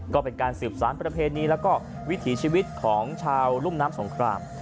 ก็เป็นการสืบสารประเพณีแล้วก็วิถีชีวิตของชาวรุ่มน้ำสงคราม